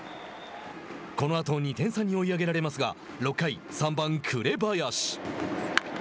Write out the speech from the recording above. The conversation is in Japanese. このあと２点差に追い上げられますが６回、３番紅林。